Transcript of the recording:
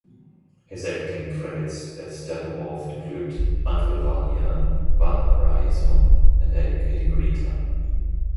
His acting credits at Steppenwolf include "Uncle Vanya", "Valparaiso", and "Educating Rita".